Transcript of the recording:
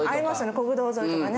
国道沿いとかね。